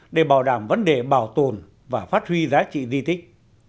để bảo đảm vấn đề bảo tồn và phát huy giá trị di tích